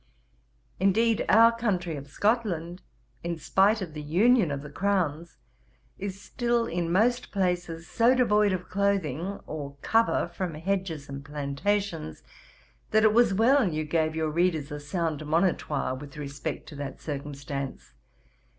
Indeed our country of Scotland, in spite of the union of the crowns, is still in most places so devoid of clothing, or cover from hedges and plantations, that it was well you gave your readers a sound Monitoire with respect to that circumstance.